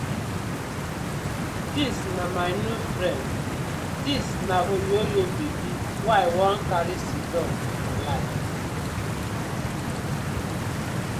Dis na my new friend, dis na di oyoyo babi wey I won karry sidon for life.